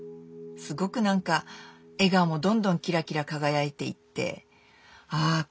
すごくなんか笑顔もどんどんキラキラ輝いていってああ